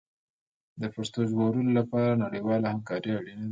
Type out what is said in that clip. د پښتو د ژغورلو لپاره نړیواله همکاري اړینه ده.